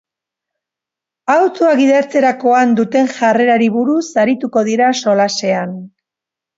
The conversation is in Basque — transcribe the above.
Autoa gidatzerakoan duten jarrerari buruz arituko dira solasean.